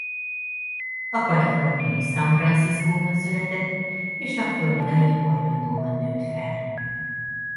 A kaliforniai San Franciscóban született és a floridai Orlandoban nőtt fel.